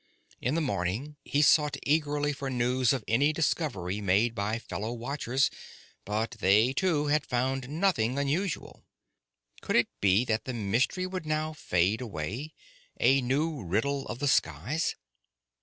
In the morning he sought eagerly for news of any discovery made by fellow watchers, but they, too, had found nothing unusual. Could it be that the mystery would now fade away, a new riddle of the skies?